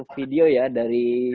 video ya dari